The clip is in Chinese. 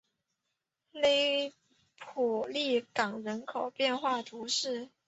勒普利冈人口变化图示